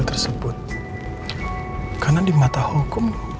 karena di mata hukum